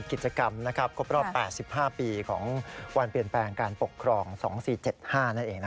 กิจกรรมครบรอบ๘๕ปีของวันเปลี่ยนแปลงการปกครอง๒๔๗๕นั่นเอง